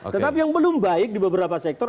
tetapi yang belum baik di beberapa sektor